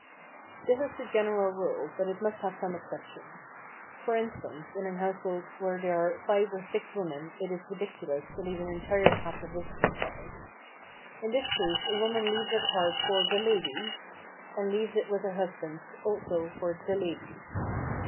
This is the general rule, but it must have some exceptions. For instance, in a household where there are five or six women it is ridiculous to leave an entire pack of visiting cards. In this case a woman leaves her card for "the ladies," and leaves it with her husband's, also for "the ladies."